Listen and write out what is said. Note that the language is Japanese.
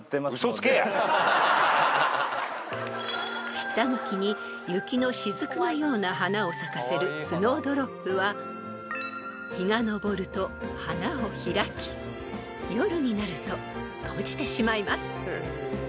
［下向きに雪の滴のような花を咲かせるスノードロップは日が昇ると花を開き夜になると閉じてしまいます］